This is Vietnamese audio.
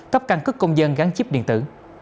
cấp căn cức công dân gắn chip điện tử